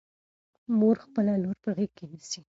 مور خپله لور په غېږ کې نیسي.